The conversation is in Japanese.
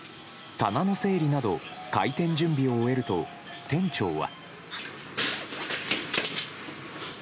棚の整理など開店準備を終えると店長は。